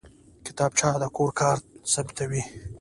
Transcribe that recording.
کتابچه د کور کار ثبتوي